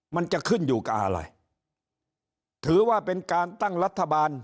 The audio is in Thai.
มันจะขึ้นอยู่กับอะไรถือว่าเป็นการตั้งรัฐบาล